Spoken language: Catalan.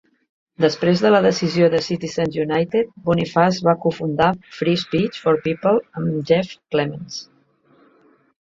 Després de la decisió de Citizens United, Bonifaz va cofundar Free Speech for People amb Jeff Clements.